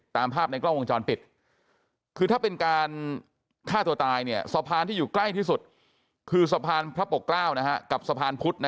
ตามภาพในกล้องวงจรปิดคือถ้าเป็นการฆ่าตัวตายเนี่ยสะพานที่อยู่ใกล้ที่สุดคือสะพานพระปกเกล้ากับสะพานพุธ